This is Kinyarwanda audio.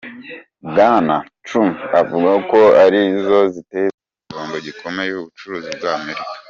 Bwana Trump avuga ko ari zo ziteza igihombo gikomeye ubucuruzi bw'Amerika.